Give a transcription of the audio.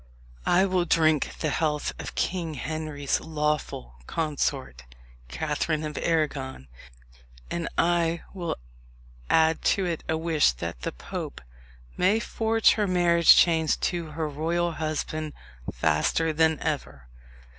I will drink the health of King Henry's lawful consort, Catherine of Arragon; and I will add to it a wish that the Pope may forge her marriage chains to her royal husband faster than ever."